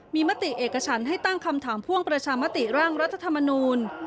มีมติเอกฉันให้ตั้งคำถามพ่วงประชามติร่างรัฐธรรมนูล